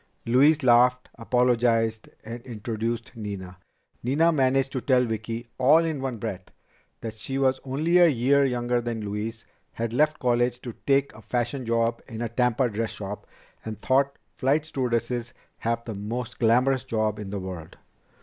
Louise laughed, apologized, and introduced Nina. Nina managed to tell Vicki, all in one breath, that she was only a year younger than Louise, had left college to take a fashion job in a Tampa dress shop, and thought flight stewardesses "have the most glamorous job in the world."